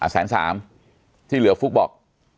แสนสามที่เหลือฟุ๊กบอก